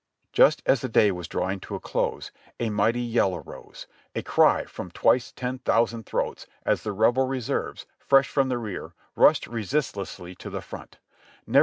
Just as the day was drawing to a close a mighty yell arose, a cry from twice ten thousand throats, as the Rebel reserves, fresh from the rear, rushed resistlessly to the front.